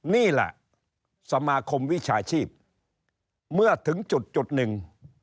นี่แหละสมาคมวิชาชีพเมื่อถึงจุดหนึ่ง